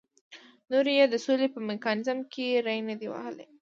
نور یې د سولې په میکانیزم کې ری نه دی وهلی.